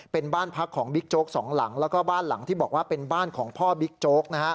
เป็นบ้านพักของบิ๊กโจ๊กสองหลังแล้วก็บ้านหลังที่บอกว่าเป็นบ้านของพ่อบิ๊กโจ๊กนะฮะ